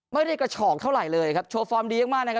ไม่ได้กระฉอกเท่าไหร่เลยครับโชว์ฟอร์มดีมากมากนะครับ